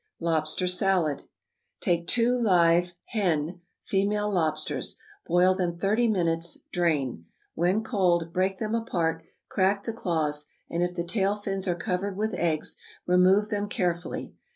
=Lobster Salad.= Take two live hen (female) lobsters; boil them thirty minutes; drain. When cold, break them apart; crack the claws, and if the tail fins are covered with eggs remove them carefully.